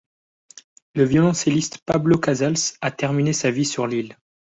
Le violoncelliste Pablo Casals a terminé sa vie sur l'île.